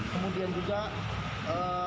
kemudian juga masalahnya